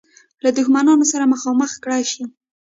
له دښمنانو سره مخامخ کړه شي.